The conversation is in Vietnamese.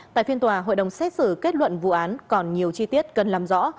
tại phiên tòa hội đồng xét xử kết luận vụ án còn nhiều chi tiết cần làm rõ